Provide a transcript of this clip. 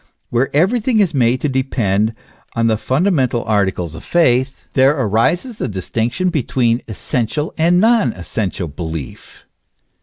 Where everything is made to depend on the fundamental articles of faith, there arises the distinction between essential and non essential belief.